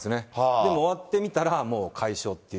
でも終わってみたら、もう快勝っ